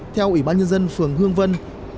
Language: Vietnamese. theo ủy ban nhân dân phường hương vân